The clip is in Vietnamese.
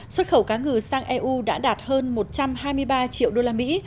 xuất khẩu cá ngừ sang eu đã đạt hơn một trăm hai mươi ba triệu usd